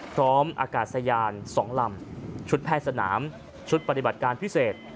พร้อมอากาศยาน๒ลำชุดแพทย์สนามชุดปฏิบัติการพิเศษ